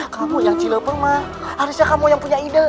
kamu harus cari ide